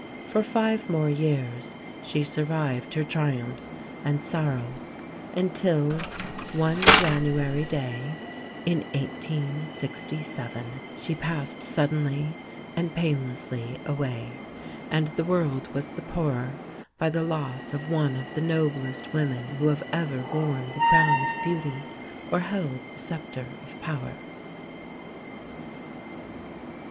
For five more years she survived her triumphs and sorrows, until, one January day in 1867, she passed suddenly and painlessly away, and the world was the poorer by the loss of one of the noblest women who have ever worn the crown of beauty or held the sceptre of power.